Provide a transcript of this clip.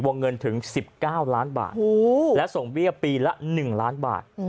วงเงินถึงสิบเก้าร้านบาทและส่งเบี้ยปีละหนึ่งล้านบาท